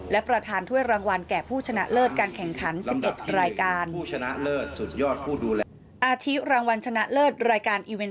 และประธานถ้วยรางวัลแก่ผู้ชนะเลิศการแข่งขัน๑๑รายการ